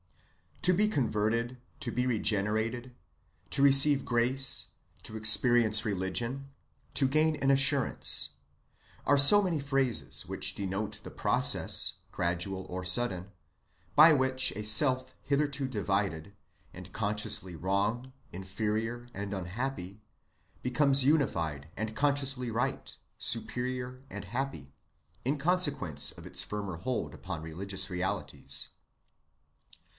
To be converted, to be regenerated, to receive grace, to experience religion, to gain an assurance, are so many phrases which denote the process, gradual or sudden, by which a self hitherto divided, and consciously wrong inferior and unhappy, becomes unified and consciously right superior and happy, in consequence of its firmer hold upon religious realities.